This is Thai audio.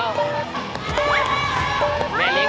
ใจแล้วแม่ใจแล้ว